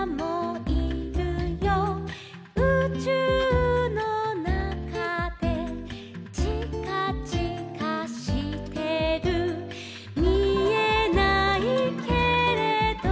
「うちゅうのなかで」「ちかちかしてる」「みえないけれど」